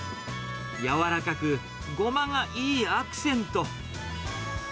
柔らかく、ゴマがいいアクセント。